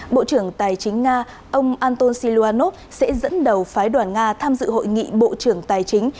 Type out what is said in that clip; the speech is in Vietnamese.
bộ trưởng tài chính nga ông anton siluanov sẽ dẫn đầu phái đoàn nga tham dự hội nghị bộ trưởng tài chính